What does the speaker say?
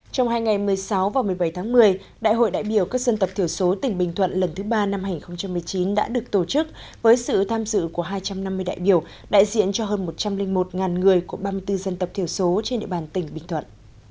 trong hai ngày một mươi sáu và một mươi bảy tháng một mươi đại hội đại biểu các dân tộc thiểu số tỉnh bình thuận lần thứ ba năm hai nghìn một mươi chín đã được tổ chức với sự tham dự của hai trăm năm mươi đại biểu đại diện cho hơn một trăm linh một người của ba mươi bốn dân tộc thiểu số trên địa bàn tỉnh bình thuận